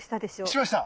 しました。